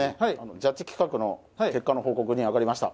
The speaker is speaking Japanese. ジャッジ企画の結果の報告にあがりました